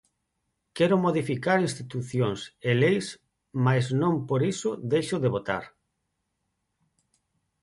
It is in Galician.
Quero modificar institucións e leis mais non por iso deixo de votar.